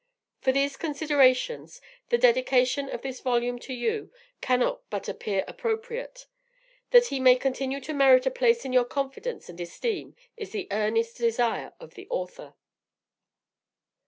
For these considerations, the dedication of this volume to you cannot but appear appropriate. That he may continue to merit a place in your confidence and esteem is the earnest desire of THE AUTHOR.